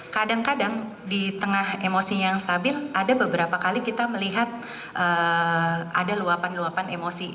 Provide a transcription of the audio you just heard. kadang kadang di tengah emosinya yang stabil ada beberapa kali kita melihat ada luapan luapan emosi